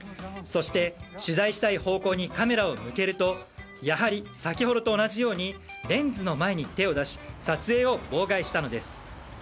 そして取材したい方向にカメラを向けるとやり、先ほどと同じようにレンズの前に手を出し撮影を妨害したのです。